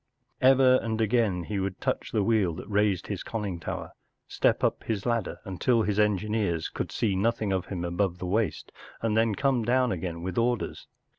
Ever and again he would touch the wheel that raised his conning lower, step u p his ladder until h i s engineers could see nothing of him above the waist, and then come down again with orders.